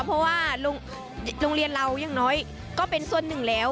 เพราะว่าโรงเรียนเราอย่างน้อยก็เป็นส่วนหนึ่งแล้ว